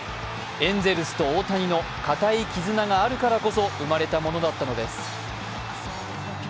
エンゼルスと大谷の固い絆があるからこそ生まれたものだったのです。